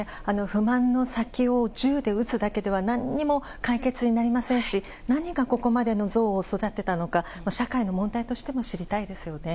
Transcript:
不満の先を銃で撃つだけでは何にも解決になりませんし何がここまでの憎悪を育てたのか社会の問題としても知りたいですよね。